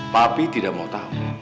papi tidak mau tahu